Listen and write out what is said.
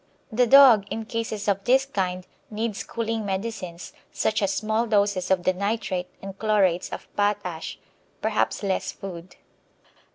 The dog, in cases of this kind, needs cooling medicines, such as small doses of the nitrate and chlorates of potash, perhaps less food.